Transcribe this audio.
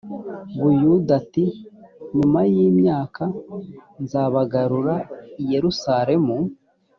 buyuda ati nyuma y imyaka nzabagarura i yerusalemu